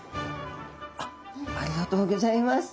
あっありがとうギョざいます。